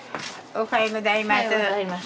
おはようございます。